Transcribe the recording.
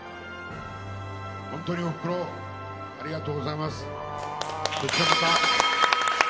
本当に、おふくろありがとうございます。